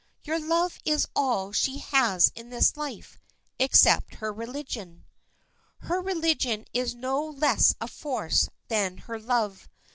Your love is all she has in this life, except her religion." "Her religion is no less a force than her love.